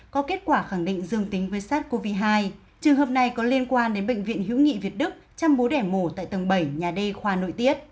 có kết quả khẳng định dương tính với sars cov hai trường hợp này có liên quan đến bệnh viện hữu nghị việt đức chăm bố đẻ mổ tại tầng bảy nhà d khoa nội tiết